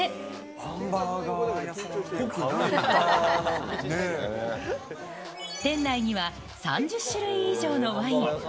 ハンバーガー屋さんで、店内には３０種類以上のワイン。